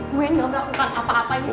gue gak mau melakukan apa apa ini semua